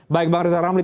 baik bang rizal ramli